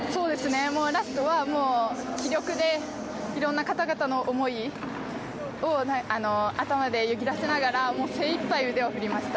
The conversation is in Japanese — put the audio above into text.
ラストは気力でいろんな方々の思いを頭によぎらせながら、精いっぱい腕を振りました。